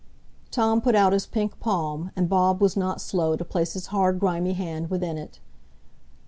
Tom put out his pink palm, and Bob was not slow to place his hard, grimy hand within it.